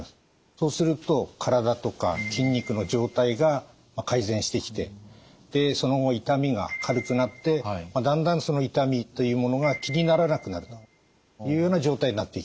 そうすると体とか筋肉の状態が改善してきてでその後痛みが軽くなってだんだんその痛みというものが気にならなくなるというような状態になっていきます。